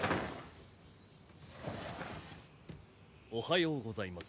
おはようございます。